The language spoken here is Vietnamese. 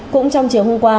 cũng trong chiều hôm qua